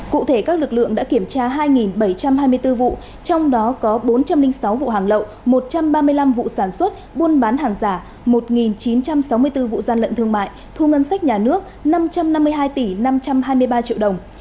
cụ thể các lực lượng đã kiểm tra hai bảy trăm hai mươi bốn vụ trong đó có bốn trăm linh sáu vụ hàng lậu một trăm ba mươi năm vụ sản xuất buôn bán hàng giả một chín trăm sáu mươi bốn vụ gian lận thương mại thu ngân sách nhà nước năm trăm năm mươi hai tỷ năm trăm hai mươi ba triệu đồng